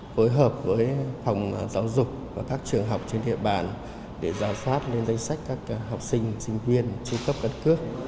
phối hợp với phòng giáo dục và các trường học trên địa bàn để giao sát lên danh sách các học sinh sinh viên trên cấp căn cước